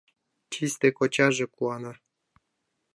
— Чисте кочаже! — куана.